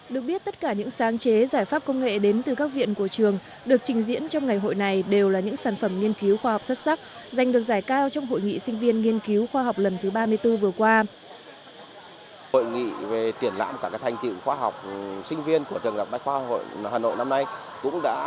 được biết tất cả những sáng chế giải pháp công nghệ đến từ các viện của trường được trình diễn trong ngày hội này đều là những sản phẩm nghiên cứu khoa học xuất sắc giành được giải cao trong hội nghị sinh viên nghiên cứu khoa học lần thứ ba mươi bốn vừa qua